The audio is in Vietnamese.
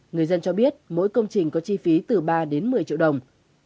người dân cho biết mỗi công trình có chi phí từ ba đến một mươi triệu đồng